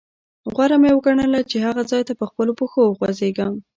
غوره مې وګڼله چې هغه ځاې ته په خپلو پښو وخوځېږم.